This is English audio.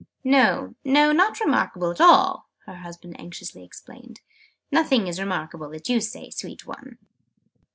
"No, not remarkable at all!" her husband anxiously explained. "Nothing is remarkable that you say, sweet one!"